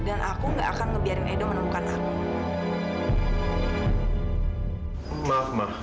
aku mau ke rumah